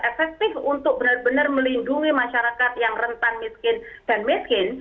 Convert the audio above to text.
efektif untuk benar benar melindungi masyarakat yang rentan miskin dan miskin